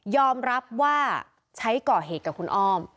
อมรับว่าใช้ก่อเหตุกับคุณอ้อม